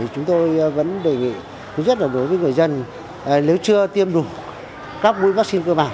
chúng tôi vẫn đề nghị thứ nhất là đối với người dân nếu chưa tiêm đủ các mũi vaccine cơ bản